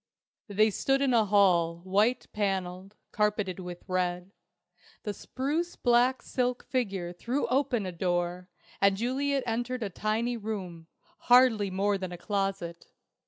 They stood in a hall, white panelled, carpeted with red. The spruce black silk figure threw open a door, and Juliet entered a tiny room, hardly more than a closet.